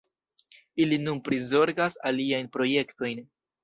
Ili nun prizorgas aliajn projektojn.